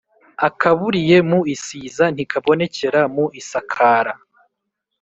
Akaburiye mu isiza ntikabonekera mu isakara.